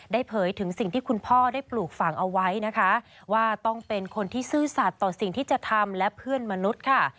เผยถึงสิ่งที่คุณพ่อได้ปลูกฝังเอาไว้นะคะว่าต้องเป็นคนที่ซื่อสัตว์ต่อสิ่งที่จะทำและเพื่อนมนุษย์ค่ะ